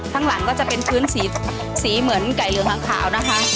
ข้างหลังก็จะเป็นพื้นสีเหมือนไก่เหลืองหางขาวนะคะ